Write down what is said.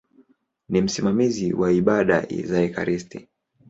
Ni msimamizi wa ibada za ekaristi.